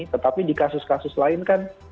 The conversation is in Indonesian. tetapi di kasus kasus lain kan